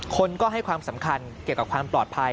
คนก็ให้ความสำคัญเกี่ยวกับความปลอดภัย